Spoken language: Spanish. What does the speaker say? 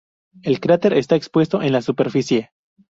El cráter está expuesto en la superficie.